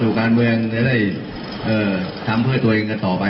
การเมืองจะได้ทำเพื่อตัวเองกันต่อไป